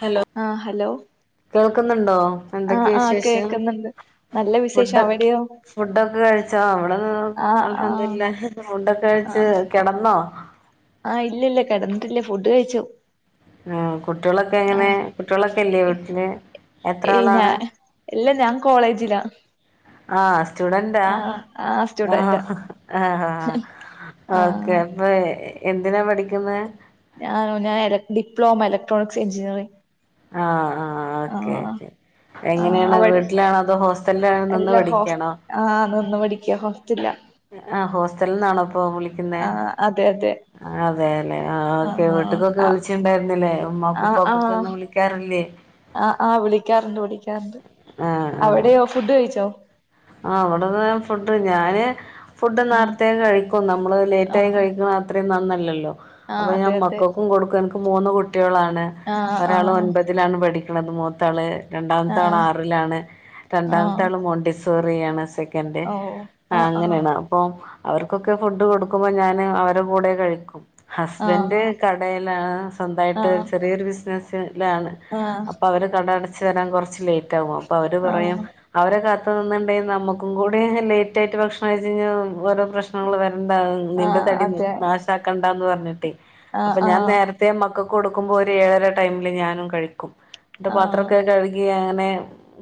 Hello ആഹ hello കേൾക്കുന്നുണ്ടോ ആഹ എന്തൊക്കെയ ആഹ വിശേഷം കേക്കുന്നുണ്ട് നല്ല വിശേഷം ഫുഡ് അവിടെയോ? ഫുഡൊക്കെ കഴിച്ചോ അവിടെന്ന അൽഹംദുലില്ലാഹ് ഫുഡ്‌ ആഹ ആഹ ഇല്ലല്ല കെടന്നിട്ടില്ലേ ഫുഡ് കഴിച്ചു ആ കുട്ടികളൊക്കെ എങ്ങനെ ആഹ് കുട്ടികളൊക്കെല്ലേ വീട്ടില് എത്ര ഏയ് ഞാ ആളാണ്? ഇല്ല ഞാൻ കോളേജിലാ ആഹ സ്റ്റുഡന്റാ ആഹ് ആഹ് സ്റ്റുഡന്റാ ആഹ ആഹ ഓക്കെ ആഹ് അപ്പൊ എന്തിനാ പഠിക്കുന്നെ? ആ ഞാൻ എലക് ഡിപ്ലോമ ഇക്ട്രോണിക്സ് എഞ്ചിനീയറിംഗ് ആഹ ആഹ ഓക്കെ ആഹ് ഓക്കെ ആഹ് എങ്ങനെയാണ് അവിടെ വീട്ടിലാണോ അതോ ഹോ അല്ല നിന്ന് പഠിക്കേണോ? ന്ന് പഠിക്ക ഹോ ആഹ് ഹോസ്റ്റൽന്നാണോ ഇപ്പൊ വിളിക്കുന്നേ? ആഹ് അതെ അതെ അതേല്ലെ ആ ഓക്കെ ആഹ് ആഹ് വീട്ടിക്കൊക്കെ വിളിച്ചിണ്ടായിരുന്നില്ലേ? ഉമ്മാക്കുപ്പാക്കൊക്കെ എന്നും വിളിക്കാറില്ലേ? ആ ആ വിളിക്കാറുണ്ട് വിളിക്കാറുണ്ട് അവിടെയോ ഫുഡ് കഴിച്ചോ? ആ അവിടിത് ഫുഡ് ഞാന് ഫുഡ് ഉം നേർത്തെ കഴിക്കും ക്കും നമ്മൾ ലേറ്റായി ആഹ് കഴിക്കുന്ന അത്രേം നന്നല്ലല്ലോ അപ്പൊ ആഹ് അതെ ഞാൻ അതെ മക്കക്കും കൊടുക്കും എനിക്ക് മൂന്ന് കുട്ടി ട്ടികളാണ് ആഹ് ഒരാൾ ആഹ് ഒൻപതിലാണ് പഠിക്കുന്നത് മൂത്താൾ രണ്ടാമത്ത ആൾ ആഹ് ആറിലാണ് ആഹ് രണ്ടാമത്താള് മോണ്ടിസോറിയാണ് സെക്ക എന്റെ ഓ ആ ആഹ് ആഹ് അങ്ങനെയാണ് അപ്പൊ അവർക്കൊക്കെ ഫുഡ് കൊടുക്കുമ്പോ ഞാന് അവര കൂടെ കഴിക്കും ഹസ്ബൻ്റ് കടയിലാണ് സ്വന്തായിട്ട് ആഹ് ചെറിയൊരു ബിസിനസ് രാണ് ആഹ് ആഹ് അപ്പൊ അവര് കട അടച്ച് വരാൻ കൊറച്ച് ലേറ്റാവും അപ്പൊ അവര് പറയും ആഹ് അവരെ കാത്ത് ന്നുണ്ടെങ്കി നമ്മുക്കും കൂടി ലേറ്റായിട്ട് ഭക്ഷണം കഴിച്ച് കഴിഞ്ഞാ ഓരോ പ്രശ്നങ്ങള് വര ണ്ടാവും നിന്റെ ആഹ് തടി അതെ നാശാക്കണ്ടാന്ന് പറഞ്ഞിട്ടേ ആഹ് അപ്പൊ ഞാൻ ആഹ് നേരത്തെ മക്കക്ക് കൊടുക്കുമ്പോ ഒരു ഏഴര ടൈമില് ഞാനും കഴിക്കും ന്നിട്ട് ആഹ് പാത്രോക്കെ കഴുകി അങ്ങനെ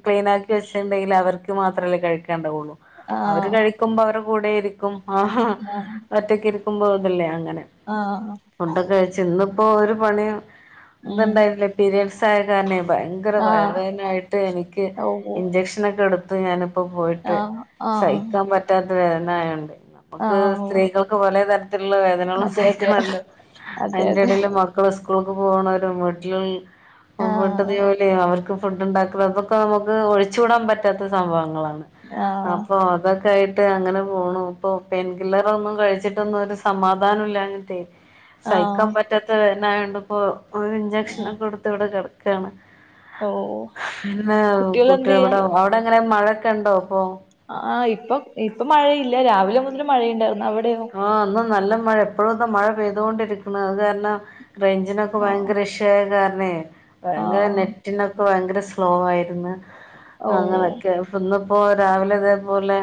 ക്ലീനാക്കി വെച്ചിണ്ടങ്കിൽ അവർക്ക് മാത്രല്ലേ കഴിക്കാൻ ക്കണ്ടോളൂ അവര് ആഹ് കഴിക്കുമ്പോ അവരെ കൂടെ ഇരിക്കും ആ ആഹ് ഒറ്റക്ക് ഇരി പോതല്ലേ അങ്ങനെ ആഹ് ഫുണ്ട് ഒക്കെ കഴച്ച് ഇന്നിപ്പോ ഒരു പണിയ ഉം ഇന്നുണ്ടായിരുന്നില്ല പീരീഡ്സായ കാരണെ പയങ്കര ആഹ് വയർവേദനായിട്ട് എനിക്ക് ഓഹ് ഇഞ്ചക്ഷൻ ക്ഷനൊക്കെടു പ്പൊ പോയിട്ട് ആഹ് ആഹ് സഹിക്കാൻ പറ്റാത്ത വേദന ആയോണ്ടെ നമ്മുക്ക് ആഹ് ഓഹ് സ്ത്രീകൾക്ക് പല തരത്തിലുള്ള വേദനകളും അതെ അതെ സഹിക്കണല്ലോ അതെ അയിന്റ അതെ എടേല് മക്കള് സ്കൂൾക്ക് പോണോരും വീട്ടിൽ ആഹ് വിട്ടത്ജോലീം അവർ ക്ക് ഫുഡ് ഉണ്ടാക്കുക അതൊക്ക നമ്മുക്ക് ഒഴിച്ചൂടാൻ പറ്റാത്ത സംഭവങ്ങളാ ആഹ് അപ്പൊ അതൊക്കായി അങ്ങനെ പോണു ഇപ്പൊ പെയിൻ കില്ലറൊന്നും കഴിച്ചിട്ടൊന്നും ഒരു സമാധാനമില്ലാഞ്ഞിട്ട് സഹിക്കാൻ ആഹ് പറ്റാത്ത എന്നായോണ്ട് ഇപ്പോ ഒരു ഉം ഇഞ്ചക്ഷനൊക്കെ എടുത്ത് ഇവിടെ കിടക്ക. ഓഹ് കുട്ടികളെന്തെയ്യാ അവിടെ എങ്ങനെ മഴക്കെയുണ്ടോ ആ ഇപ്പൊ ഇപ്പൊ മഴയില്ല രാവിലെ മുതൽ മഴയുണ്ട് ആ ഇന്ന് നല്ല മഴ പ്പോഴൊക്കെ മഴ പെയ്തുകൊണ്ടിരിക്കണ് അത് കാരണം റേഞ്ചിനൊക്കെ ആഹ് ഭയങ്കര ഇഷു ആയ കാരണേ ഭയങ്കര ആഹ് നെറ്റിനൊക്കെ ഭയങ്കര സ്ലോ ആയിരുന്നു ഓ അങ്ങനൊക്കെ പ്പൊ ന്ന് പ്പൊ രാവിലെ ഇതേപോലെ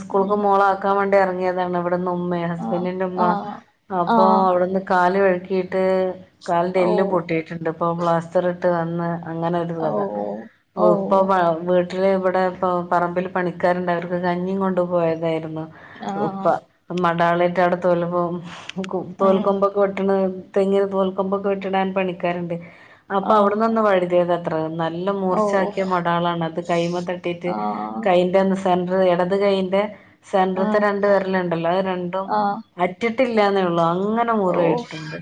സ്കൂൾക്ക് ഉം മോള ആക്കാൻ വേണ്ടി ഇറങ്ങിയതാണ് ഇവിട്ന്ന് ആഹ് ഹസ്ബന്റിന്റെ ഉമ്മ ആഹ് അപ്പോ ആഹ് അവിടുന്ന് കാല് വെഴുക്കീ കാലിൻ്റെ ഓ എല്ല് പൊട്ടീട്ട്ണ്ട് പ്പോ പ്ലാസ്റ്റർ ഇട്ട് വന്ന് അങ്ങനെ ഒരു ഓ കഥ ഓ ല് ഇവിടെ പ്പൊ പറമ്പിൽ പണിക്കാരുണ്ട് അവർക്ക് കഞ്ഞിം കൊണ്ട് പോയതായിരുന്നു ആഹ് ഉപ്പ മഠാളറ്റ് അവിടെ തോൽ ആഹ് കൊമ്പ് വെട്ടുന്ന തെങ്ങിന് തോൽക്കൊമ്പൊക്കെ വെട്ടണ പണിക്കാരുണ്ട് അപ്പൊ ആഹ് അവിട്ന്നൊന്ന് വഴുതിയതത്ര നല്ല ഓ മൂർച്ച ആക്കിയ മടാൾ ആണത് അത് കയ്യിമ്മ തട്ടിട്ട് ആഹ് കയ്യിൻ്റെ സെൻറർ ഇടത് കൈയ്യിന്റെ സെൻട്രത്തെ ആഹ് രണ്ട് വിരല്ണ്ടല്ലോ അത് രണ്ടും ആഹ് അറ്റിട്ടില്ലന്നേള്ളൂ അങ്ങനെ ഓ മുറിയായിട്ടുണ്ട്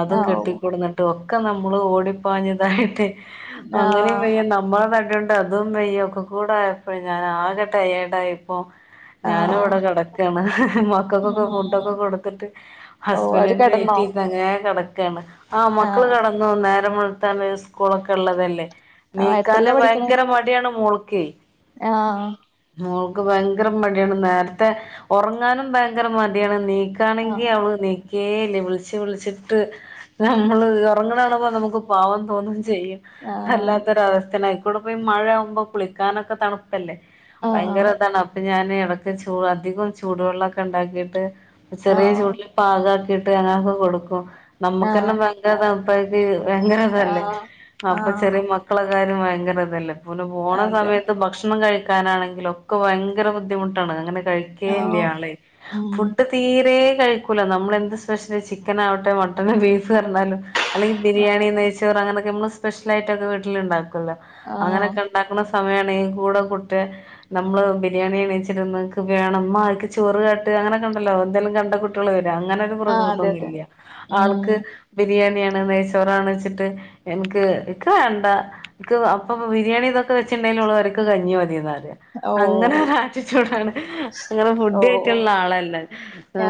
അതും ആഹ് കെട്ടിക്കൊടുന്നിട്ട് ഒക്കെ നമ് ഓടിപ്പാഞ്ഞതായിട്ട് അങ്ങനേം ആഹ് വയ്യാ ണ്ട് അതും വെയ്യ ഒക്കെ കൂടായപ്പോഴ് ഞാൻ ആകെ ടയേട് അയപ്പൊ ഞാന് അവിടെ ആഹ് കെടക്കാണ് മക്കക്കൊക്കെ ഉം ഫുഡൊക്കെ കൊടുത്തിട്ട് ഓ അവര് ഹസ്ബൻഡിനെ വെയ്റ്റ് കെടന്നോ ചെയ്ത് അങ്ങനേ കെട ക്കാണ് ആ മക്കള് ആഹ് കെടന്നു നേരം വെളുത്താല് സ്കൂളൊക്കെ ള്ളതല്ലേ ആഹ് ണീക്കാന് എത്രയിലാ പഠിക്കണെ ഭയങ്കര മടിയാണ് മോൾക്കേ ആഹ് ഭയങ്കര മടിയാണ് നേരത്തെ ഉറങ്ങാനും ഭയങ്കര മടിയാണ് നീക്കാണെങ്കിൽ ആഹ് അവൾ നീക്കിയില്ല വിളിച്ചു വിളിച്ചിട്ട് നമ്മള് ഉറങ്ങണ കാണുമ്പോൾ നമുക്ക് പാവം തോന്നി [unintelligible] ആഹ് വല്ലാത്തൊരു അവസ്ഥ അല്ല അയക്കുട പോയി മഴ ആവുമ്പോ കുളിക്കാൻ ഓക തണുപ്പ് അല്ല ഭയങ്കര ആഹ് താണ് അപ്പൊ ഞാൻ ഇടക്ക് ചൂട് അധികം ചൂടു വെള്ളോക്കെ ഉണ്ടാക്കിട്ട് ചെറിയ ചൂടില് പാകാക്കിട്ട് അങ്ങനൊക്കെ കൊടുക്കും ആഹ് നമ്മക്കെന്നെ ആഹ് ഭങ്കര തൺപ്പായിട്ട് ഭയങ്കര ഇതല്ലേ ആഹ് അപ്പൊ ആഹ് ചെറിയ മക്കളെ [unintelligible] ഭയകര ഇത് അല്ല പോന്ന അതെ സമയത്ത് ഭക്ഷണം കഴിക്കാൻ [unintelligible] കഴിക്കാൻ ആണെങ്കിലും പയ്കര ബുദ്ധിമുട്ട് അല്ല ആഹ് [unintelligible] ഉം ഫുഡ്‌ തീരെ കഴിക്കൂല നമ്മളെന്ത് സ്പെഷ്യല് ചിക്കൻ ആവട്ടെ മട്ടൺ ബീഫ് പറഞ്ഞാലും അല്ലെങ്കി ബിരിയാണി ആഹ് നെയ്ച്ചോറ് അങ്ങനൊക്കെ മ്മള് സ്പെഷ്യലായിട്ട്ക്കെ വീട്ടിലിൽണ്ടാക്കൂലെ ആഹ് അങ്ങനൊക്കെ ണ്ടാക്കുന്ന [unintelligible] മഴക്ക് ചോറ് കാട്ട് അങ്ങനൊക്കെണ്ടല്ലോ എന്തായാലും കണ്ട കുട്ടികൾ അങ്ങനൊര് ആഹ് അതെ അതെ പ്രക്രതൊന്നുല്ല ആൾക്ക് ഉം നെയ്ച്ചോറാണ്ച്ചിട്ട് എനക്ക് ക്ക് വേണ്ട ക്ക് അപ്പൊ ബിരിയാണി അവര്ക് കഞ്ഞി മതി എന്നാ പറയ ഓ അങ്ങനെ ഒരു ആറ്റിട്യൂട് ആണ് അങ്ങനെ ഫുഡ് ഓ കയിക്ക്ൺള്ള ആളല്ലേ ഏ ആ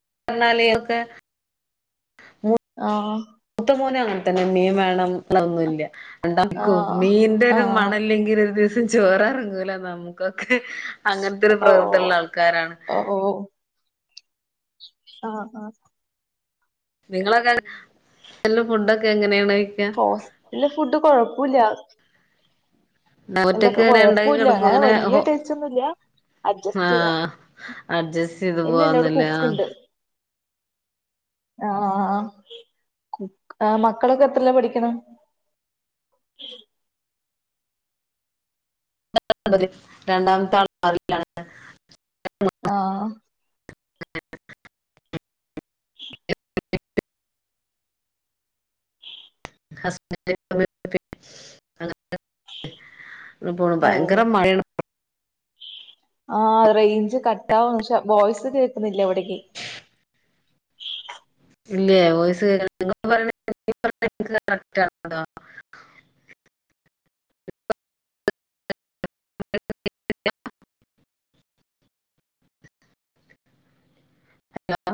[unintelligible] ആ മൂത്ത മോനും അങ്ങനെതന്ന്യാ മീൻ വേണം ന്നൊന്നുമല്ല ആ രണ്ടാക്കും മീന്റെ ആ ഒരു മണം ഇല്ലെങ്കിൽ ഒരു ദിവസം ചോറ് ഇറങ്ങൂല അങ്ങനത്തെ ഒരു ഓ പ്രകൃതള്ള ആൾക്കാരാണ് ഓ ആ ആ [unintelligible] ഫുഡ്‌ ഓക എങ്ങനാ ആണ് ഹോസ്റ്റലില് ഫുഡ് കൊഴപ്പോല്ല ഒറ്റക്ക് ങ്ങനെ ണ്ടാക്കി കിടക്കും അങ്ങനെ ങ്ങനെ വലിയ ടേസ്റ്റ് ഒന്നുല്ല ആ അഡ്ജസ്റ്റ് ചെയ്യാം അഡ്ജസ്റ്റ് ചെയ്ത് ഇല്ലല്ല ഇവിടെ പോവാന്നില്ലേ ആ കുക്ക്ണ്ട് ആ മക്കളൊക്കെ എത്രേലാ പഠിക്കണേ. [inaudible] [inaudible] രണ്ടാമത്തെ ആള് [inaudible] ലാണ്. ആ [inaudible] ഹസ് [inaudible] ഇ പോണു ഓ ഭയങ്കര മഴയാണ് ആ റേഞ്ച് കട്ടാവും പക്ഷെ വോയ്സ് കേൾക്കുന്നില്ല എവിടക്ക് [inaudible] ഇല്ലേ വോയ്‌സ് [inaudible] കറക്ട് ആണോ [inaudible] [inaudible] ഹലോ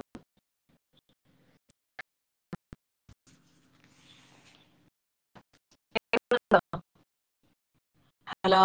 ഹലോ